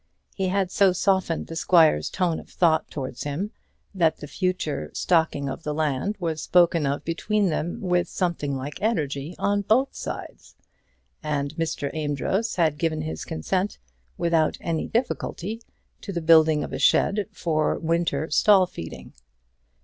He had so softened the squire's tone of thought towards him, that the future stocking of the land was spoken of between them with something like energy on both sides; and Mr. Amedroz had given his consent, without any difficulty, to the building of a shed for winter stall feeding.